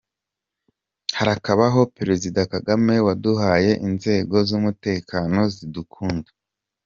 Harakabaho Perezida Kagame waduhaye inzego z’umutekano zidukunda’.